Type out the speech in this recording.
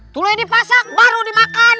tuluh dipasak baru dimakan